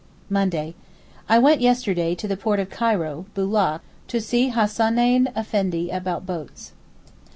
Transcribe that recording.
Monday.—I went yesterday to the port of Cairo, Boulak, to see Hassaneyn Effendi about boats.